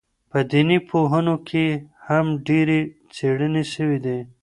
په دیني پوهنو کي هم ډېرې څېړني سوي دي.